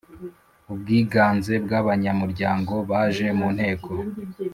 Ubwiganze bw ‘abanyamuryango baje mu nteko